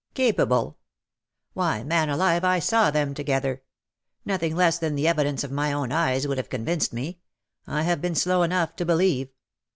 Capable ! Why^ man alive, I saw them together. Nothing less than the evidence of my own eyes would have convinced me. I have been slow enough to believe.